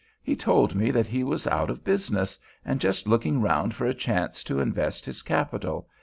He told me that he was out of business, and just looking round for a chance to invest his capital.